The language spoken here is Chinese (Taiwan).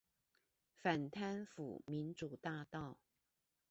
反貪腐民主大道